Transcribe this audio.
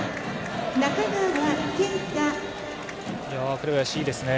紅林、いいですね。